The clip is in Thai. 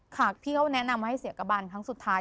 พี่ก็แนะนำว่าให้เสียกระบันครั้งสุดท้าย